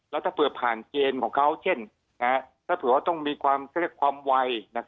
แล้วถ้าเผื่อผ่านเกณฑ์ของเขาเช่นถ้าเผื่อว่าต้องมีความเรียกความไว